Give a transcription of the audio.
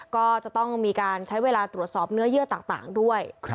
ก็จะต้องมีการใช้เวลาตรวจสอบเนื้อเยื่อต่างด้วย